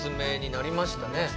なりましたね。